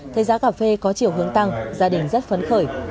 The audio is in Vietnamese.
thấy giá cà phê có chiều hướng tăng gia đình rất phấn khởi